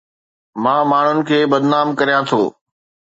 مان ماڻهن کي بدنام ڪريان ٿو